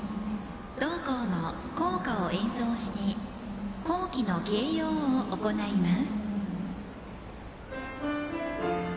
同校の校歌を演奏して校旗の掲揚を行います。